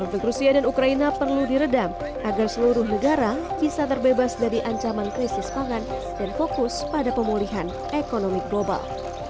dan rusia dan ukraina perlu diredam agar seluruh negara bisa terbebas dari ancaman krisis pangan dan fokus pada pemulihan ekonomi global